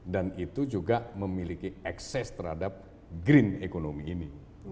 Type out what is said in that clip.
dan itu juga memiliki ekses terhadap green ekonomi ini